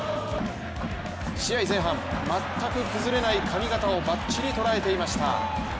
試合前半、全く崩れない髪形をバッチリ捉えていました。